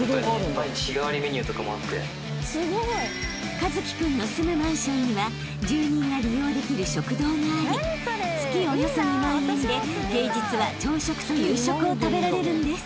［一輝君の住むマンションには住人が利用できる食堂があり月およそ２万円で平日は朝食と夕食を食べられるんです］